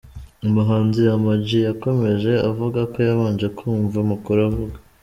Umuhanzi Ama G yakomeje avuga ko yabanje kumva amakuru avuga.